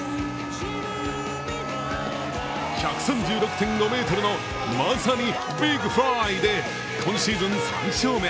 １３６．５ｍの、まさにビッグフライで今シーズン３勝目。